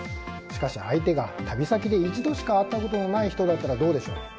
しかし、相手が旅先で一度しか会ったことのない人だったらどうでしょう？